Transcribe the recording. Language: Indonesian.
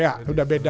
iya udah beda